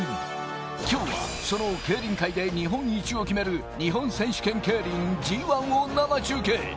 きょうはその競輪界で日本一を決める日本選手権競輪ＧＩを生中継。